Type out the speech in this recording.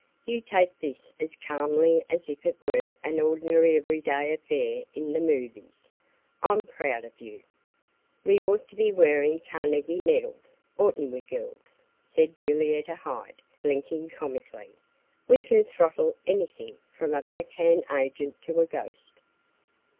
You take this as calmly as if it were an ordinary every day affair in the movies. I'm proud of you." "We ought to be wearing Carnegie medals, oughtn't we, girls?" said Julietta Hyde, blinking comically. "We can throttle anything from a black hand agent to a ghost."